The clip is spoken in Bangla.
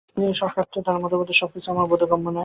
কিন্তু এ-সব সত্ত্বেও তাঁর মতবাদের সবকিছু আমার বোধগম্য নয়।